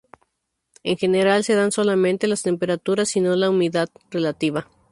En general se dan solamente las temperaturas y no la humedad relativa.